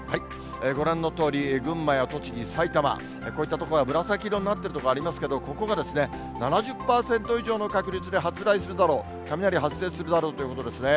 ご覧のとおり、群馬や栃木、埼玉、こういった所が紫色になっている所ありますが、ここが７０％以上の確率で発雷するだろう、雷発生するだろうということですね。